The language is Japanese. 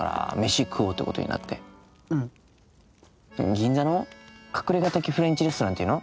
銀座の隠れ家的フレンチレストランっていうの？